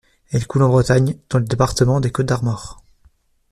Elle coule en Bretagne, dans le département des Côtes-d'Armor.